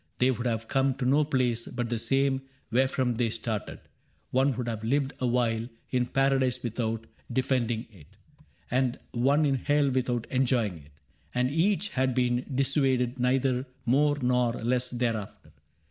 They would have come to no place but the same Wherefrom they started; one would have lived awhile In paradise without defending it. 28 CAPTAIN CRAIG And one in hell without enjoying it ; And each had been dissuaded neither more Nor less thereafter.